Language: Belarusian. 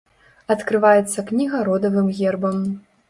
Адкрываецца кніга родавым гербам.